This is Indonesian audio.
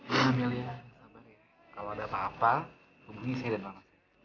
iya amelia kalau ada apa apa hubungi saya di rumah